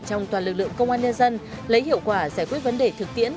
trong toàn lực lượng công an nhân dân lấy hiệu quả giải quyết vấn đề thực tiễn